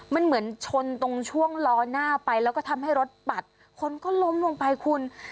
มันเหมือนชนตรงช่วงล้อหน้าไปแล้วก็ทำให้รถปัดคนก็ล้มลงไปคุณ